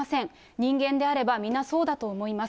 人間であれば皆そうだと思います。